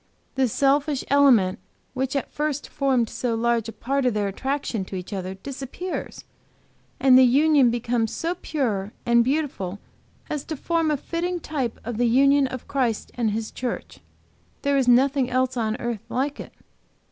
The selfish element which at first formed so large a part of their attraction to each other disappears, and the union becomes so pure and beautiful as to form a fitting type of the union of Christ and His church. There is nothing else on earth like it."